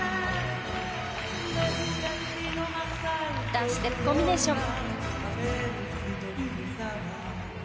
ダンスステップコンビネーション。